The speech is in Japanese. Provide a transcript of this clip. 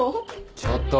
ちょっと！